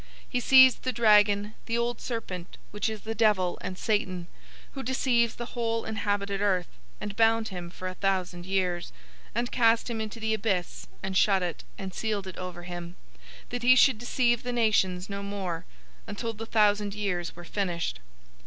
020:002 He seized the dragon, the old serpent, which is the devil and Satan, who deceives the whole inhabited earth, and bound him for a thousand years, 020:003 and cast him into the abyss, and shut it, and sealed it over him, that he should deceive the nations no more, until the thousand years were finished.